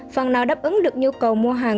phần nào đáp ứng được nhu cầu mua hàng